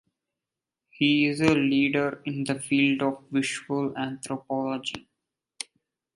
He is a leader in the field of visual anthropology.